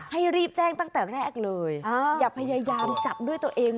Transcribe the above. ให้รีบแจ้งตั้งแต่แรกเลยอย่าพยายามจับด้วยตัวเอง